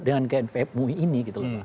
dengan gnpf mui ini